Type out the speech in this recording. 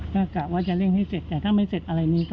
ก็กะว่าจะเร่งให้เสร็จแต่ถ้าไม่เสร็จอะไรนี้ก็